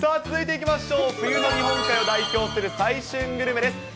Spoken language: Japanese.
続いていきましょう、冬の日本海を代表する最旬グルメです。